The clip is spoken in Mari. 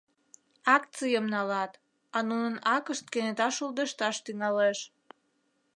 Акцийым налат, а нунын акышт кенета шулдешташ тӱҥалеш.